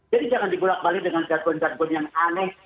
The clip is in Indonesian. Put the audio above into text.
jadi jangan dibulak balik dengan cat bat bat yang aneh